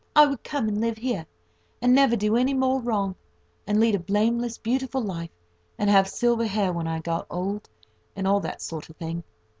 I would come and live here, and never do any more wrong, and lead a blameless, beautiful life, and have silver hair when I got old, and all that sort of thing.